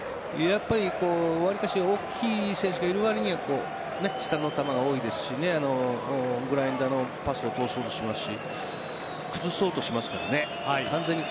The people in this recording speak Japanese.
わりかし大きい選手がいる割には下の球が多いですしグラウンダーのパスを通そうとしますし崩そうとしますからね。